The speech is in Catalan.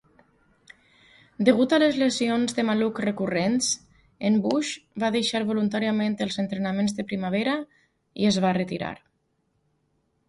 Degut a les lesions de maluc recurrents, en Bush va deixar voluntàriament els entrenaments de primavera i es va retirar.